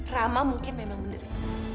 rama mungkin memang menderita